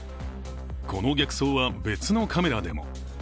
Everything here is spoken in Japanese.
この逆走は、別のカメラでも。